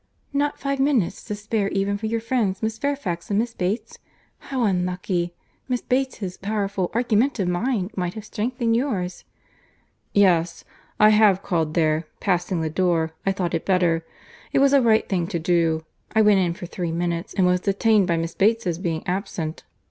"Not five minutes to spare even for your friends Miss Fairfax and Miss Bates? How unlucky! Miss Bates's powerful, argumentative mind might have strengthened yours." "Yes—I have called there; passing the door, I thought it better. It was a right thing to do. I went in for three minutes, and was detained by Miss Bates's being absent.